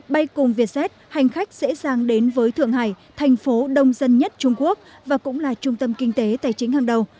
bay cùng vietjet hành khách dễ dàng đến với thượng hải thành phố đông dân nhất trung quốc và cũng là trung tâm kinh tế tài chính hàng đầu